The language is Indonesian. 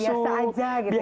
biasa biasa aja gitu ya